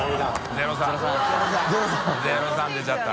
「０３」「０３」出ちゃった。